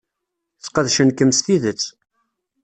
Sqedcen-kem s tidet.